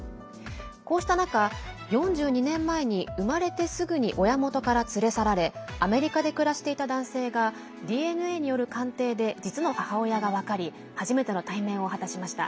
こうした中、４２年前に生まれてすぐに親元から連れ去られアメリカで暮らしていた男性がＤＮＡによる鑑定で実の母親が分かり初めての対面を果たしました。